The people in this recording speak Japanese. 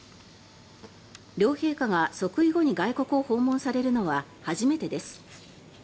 両陛下が即位後に外国を訪問されるのは初めてです。